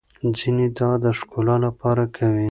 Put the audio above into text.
ځينې دا د ښکلا لپاره کوي.